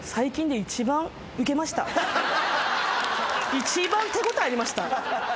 一番手応えありました。